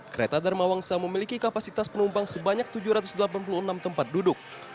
kereta dharma wangsa memiliki kapasitas penumpang sebanyak tujuh ratus delapan puluh enam tempat duduk